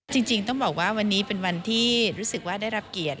จริงต้องบอกว่าวันนี้เป็นวันที่รู้สึกว่าได้รับเกียรติ